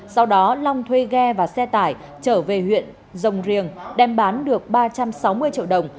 sau đó long thuê ghe và xe tải trở về huyện rồng riềng đem bán được ba trăm sáu mươi triệu đồng